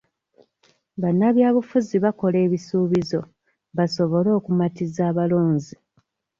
Bannabyabufuzi bakola ebisuubizo basobole okumatiza abalonzi.